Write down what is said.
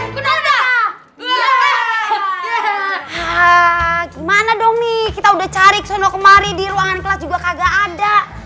gimana dong nih kita udah cari sono kemari di ruangan kelas juga kagak ada